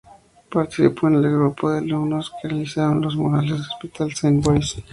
Participó del grupo de alumnos que realizaron los Murales del Hospital Saint Bois.